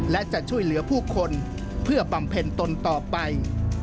และจะช่วยเหลือผู้คนเพื่อบำเพ็ญตนต่อไป